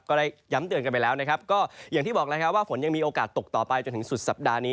ก็ได้ย้ำเตือนกันไปแล้วนะครับก็อย่างที่บอกแล้วครับว่าฝนยังมีโอกาสตกต่อไปจนถึงสุดสัปดาห์นี้